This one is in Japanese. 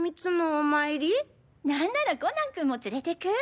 なんならコナン君も連れてく？